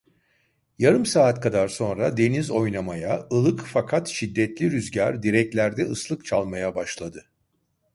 Yarım saat kadar sonra, deniz oynamaya, ılık, fakat şiddetli rüzgar direklerde ıslık çalmaya başladı.